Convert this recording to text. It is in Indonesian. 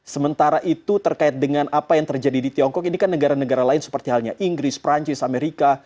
sementara itu terkait dengan apa yang terjadi di tiongkok ini kan negara negara lain seperti halnya inggris perancis amerika